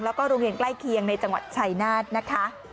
แล้วก็โรงเรียนใกล้เคียงในจังหวัดชัยนาธนะคะ